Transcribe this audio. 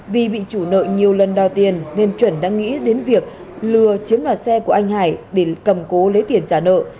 vì bị chủ nợ nhiều lần đòi tiền nên chuẩn đã nghĩ đến việc lừa chiếm đoạt xe của anh hải để cầm cố lấy tiền trả nợ